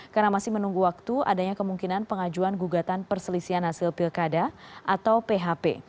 karena masih menunggu waktu adanya kemungkinan pengajuan gugatan perselisian hasil pilkada atau php